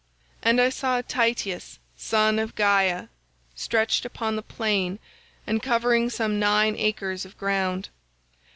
"And I saw Tityus son of Gaia stretched upon the plain and covering some nine acres of ground.